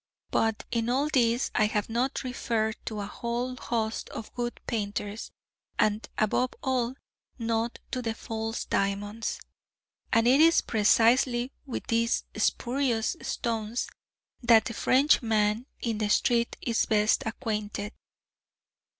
But in all this I have not referred to a whole host of good painters, and above all not to the false diamonds. And it is precisely with these spurious stones that the French man in the street is best acquainted.